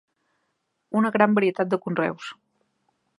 Una gran varietat de conreus.